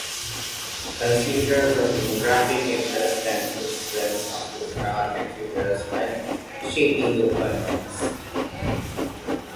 Consider the demographics, interests, and preferences of your target readers when shaping your content.